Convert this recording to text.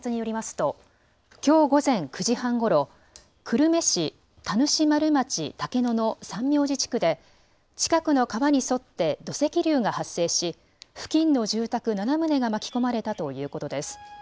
ときょう午前９時半ごろ久留米市田主丸町竹野の三明寺地区で近くの川に沿って土石流が発生し付近の住宅７棟が巻き込まれたということです。